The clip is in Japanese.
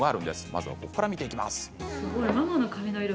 まずここから見ていきます。